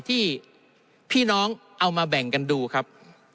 ที่พี่น้องเอามาแบ่งกันดูครับ